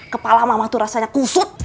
kepala mama tuh rasanya kusut